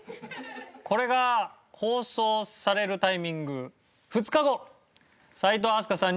これが放送されるタイミング２日後齋藤飛鳥さん